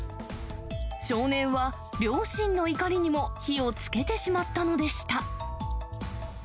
少年は、両親の怒りにも火をつけてしまったのでした。